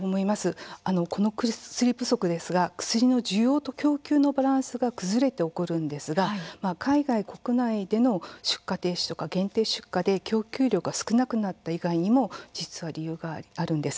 この薬不足、薬の需要と供給のバランスが崩れて起こるんですが海外、国内の出荷停止限定出荷で供給量が少なくなった以外にも実は理由があるんです。